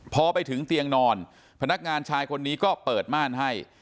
พอไปถึงเตียงนอนพนักงานชายคนนี้ก็เปิดม่านให้